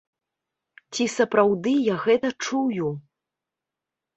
Ці сапраўды я гэта чую?